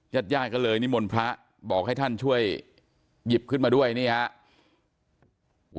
ญาติญาติก็เลยนิมนต์พระบอกให้ท่านช่วยหยิบขึ้นมาด้วยนี่ฮะ